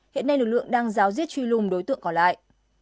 hiện nay lực lượng đang giáo diết truy lùng đối tượng còn lại